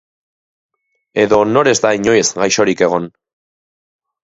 Edo nor ez da inoiz gaixorik egon?